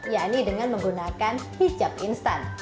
ya ini dengan menggunakan hijab instan